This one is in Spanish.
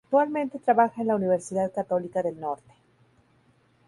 Actualmente trabaja en la Universidad Católica del Norte.